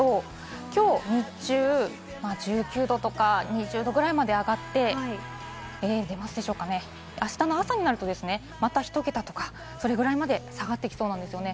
今日、日中１９度とか２０度くらいまで上がって、明日朝になると、また１桁とか、それくらいまで下がってきそうなんですよね。